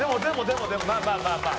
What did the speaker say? まあまあまあまあ。